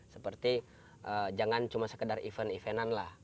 seperti jangan cuma sekedar event eventan lah